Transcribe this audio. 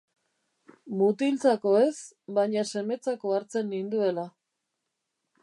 Mutiltzako ez, baina semetzako hartzen ninduela.